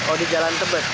oh di jalan tebas